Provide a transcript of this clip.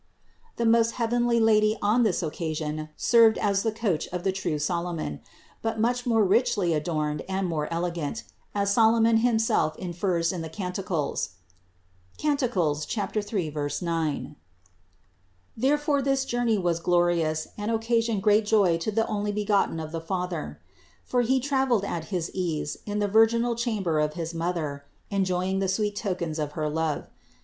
The most heavenly Lady on this occasion served as the coach of the true Solomon ; but much more richly adorned and more elegant, as Solomon himself infers in the canticles THE INCARNATION 167 (Cant. 3, 9). Therefore this journey was glorious and occasioned great joy to the Onlybegotten of the Father. For He traveled at his ease in the virginal chamber of his Mother, enjoying the sweet tokens of her love.